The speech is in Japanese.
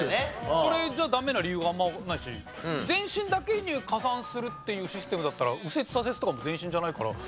それじゃダメな理由があんまないし前進だけに加算するっていうシステムだったら右折左折とかも前進じゃないから。